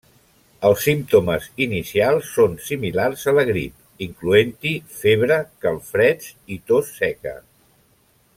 Els símptomes inicials són similars a la grip, incloent-hi febre, calfreds i tos seca.